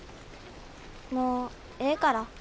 もうええから。